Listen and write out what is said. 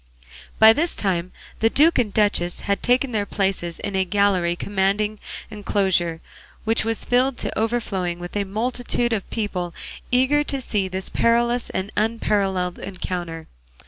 By this time the duke and duchess had taken their places in a gallery commanding the enclosure, which was filled to overflowing with a multitude of people eager to see this perilous and unparalleled encounter.